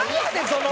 その。